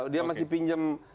dia masih pinjam